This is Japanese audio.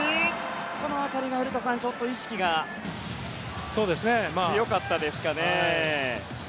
この辺りが古田さん、ちょっと意識が強かったですかね。